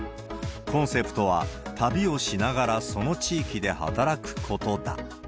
コンセプトは、旅をしながらその地域で働くことだ。